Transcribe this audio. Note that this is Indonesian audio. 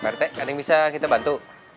pak reket ada yang bisa kita bantu